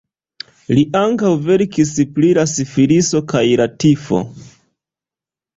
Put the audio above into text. Li ankaŭ verkis pri la sifiliso kaj la tifo.